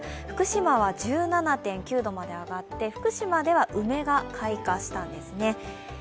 福島は１７．９度まで上がって福島では梅が開花したんですね。